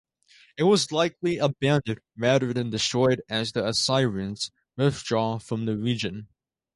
It was likely abandoned rather than destroyed as the Assyrians withdraw from the region.